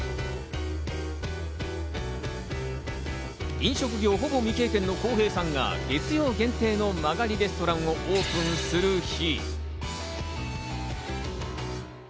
飲食業ほぼ未経験の公平さんが月曜限定の間借りレストランをオープンする日。